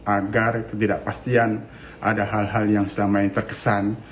agar ketidakpastian ada hal hal yang selama ini terkesan